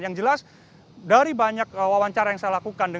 yang jelas dari banyak wawancara yang saya lakukan